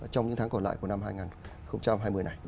trong những tháng còn lại của năm hai nghìn hai mươi này